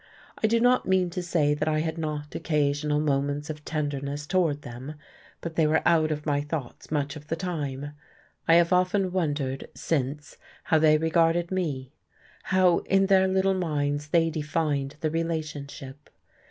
I do not mean to say that I had not occasional moments of tenderness toward them, but they were out of my thoughts much of the time. I have often wondered, since, how they regarded me; how, in their little minds, they defined the relationship.